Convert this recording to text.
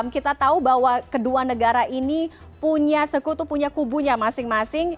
kita tahu bahwa kedua negara ini punya sekutu punya kubunya masing masing